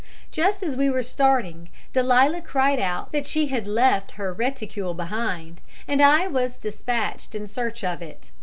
Just as we were starting Delia cried out that she had left her reticule behind, and I was despatched in search of it.